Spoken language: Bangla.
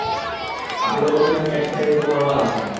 আপনি তো বলেছিলেন পেট স্ক্যানের রিপোর্ট নরমাল আছে।